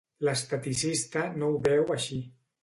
L'esteticista no ho veu així.